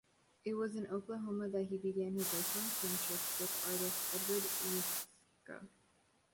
It was in Oklahoma that he began his lifelong friendship with artist Edward Ruscha.